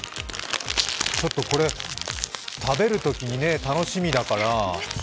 ちょっとこれ、食べるときに楽しみだから。